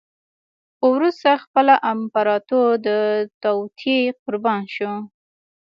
خو وروسته خپله امپراتور د توطیې قربان شو.